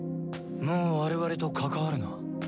もう我々と関わるな。